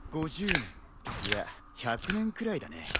５０年いや１００年くらいだね。